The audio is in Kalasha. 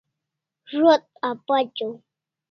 Zo't apachaw